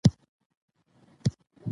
زه هره ورځ د کثافاتو د جلا کولو هڅه کوم.